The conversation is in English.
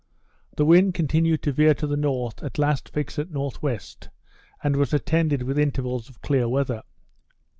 The wind continued to veer to the north, at last fixed at N.W., and was attended with intervals of clear weather.